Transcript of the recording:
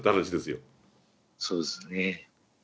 そうですね。